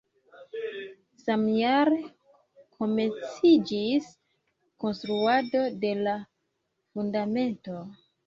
Samjare komenciĝis konstruado de la fundamento.